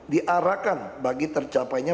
diarahkan bagi tercapainya